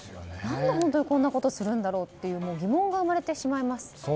何でこんなことをするんだろうと疑問が生まれてしまいます。